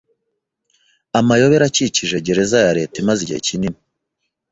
Amayobera akikije gereza ya leta imaze igihe kinini